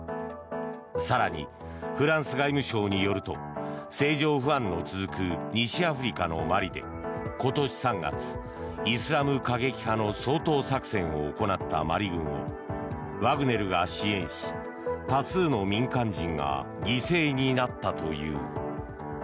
更に、フランス外務省によると政情不安の続く西アフリカのマリで今年３月、イスラム過激派の掃討作戦を行ったマリ軍をワグネルが支援し多数の民間人が犠牲になったという。